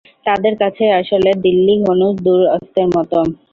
তাদের কাছেই আসলে দিল্লি হনুজ দূর অস্তের মতো।